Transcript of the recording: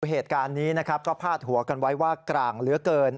เหตุการณ์นี้นะครับก็พาดหัวกันไว้ว่ากลางเหลือเกิน